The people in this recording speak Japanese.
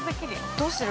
◆どうする？